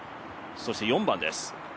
そして４番です。